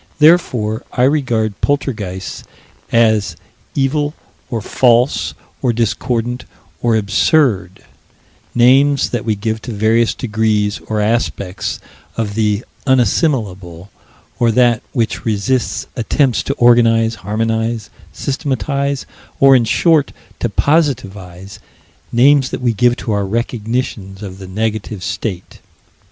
Therefore I regard poltergeists as evil or false or discordant or absurd names that we give to various degrees or aspects of the unassimilable, or that which resists attempts to organize, harmonize, systematize, or, in short, to positivize names that we give to our recognitions of the negative state.